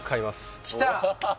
きた！